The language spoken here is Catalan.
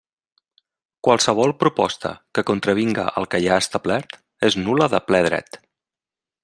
Qualsevol proposta que contravinga el que hi ha establert és nul·la de ple dret.